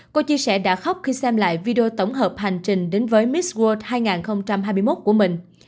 cô chia sẻ đã khóc khi xem lại video tổng hợp hành trình đến với mis world hai nghìn hai mươi một của mình